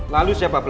lalu siapa pelabing